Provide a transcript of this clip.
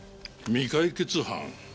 未解決班？